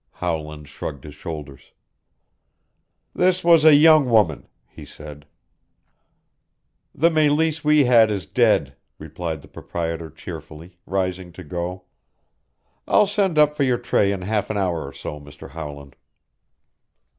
Howland shrugged his shoulders. "This was a young woman," he said. "The Meleese we had is dead," replied the proprietor cheerfully, rising to go. "I'll send up for your tray in half an hour or so, Mr. Howland."